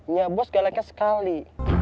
nyak bos galaknya sekali